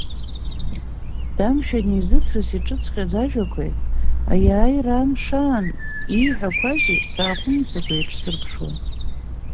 Дамшә анизыҭрыс иҿыҵҟьаз ажәақәеи Аиааира амш аан ииҳәақәази сааҟәымҵӡакәа еиҿсырԥшуан.